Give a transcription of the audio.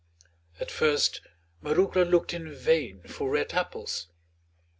At first Marouckla looked in vain for red apples.